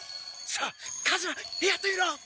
さあ数馬やってみろ。